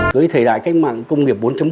với thời đại cách mạng công nghiệp bốn